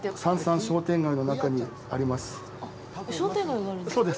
商店街の中にあります。